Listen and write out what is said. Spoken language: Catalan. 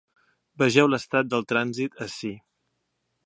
Vegeu l’estat del trànsit ací.